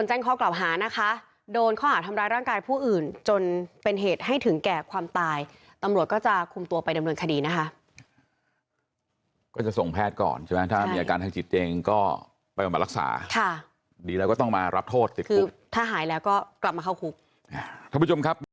จะได้ไม่ก่อเหตุและไม่สร้างภาระให้กับสังคม